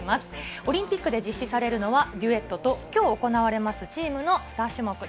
オリンピックで実施されるのはデュエットと今日行われるチームの２種目。